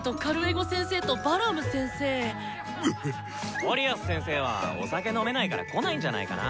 オリアス先生はお酒飲めないから来ないんじゃないかな。